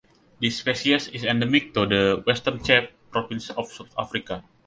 This species is endemic to the Western Cape province of South Africa.